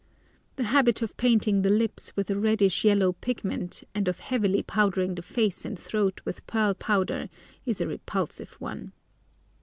The habit of painting the lips with a reddish yellow pigment, and of heavily powdering the face and throat with pearl powder, is a repulsive one.